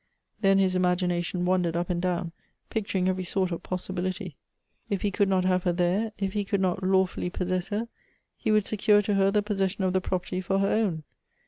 Then his imagina tion wandered up and down, picturing every sort of ])os sibility. If he could not have her there, if he could not lawfully possess her, ho would secure to her the posses sion of the proj)erty for her own.